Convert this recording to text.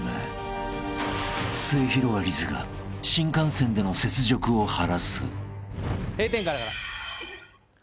［すゑひろがりずが新幹線での雪辱を晴らす］閉店ガラガラ。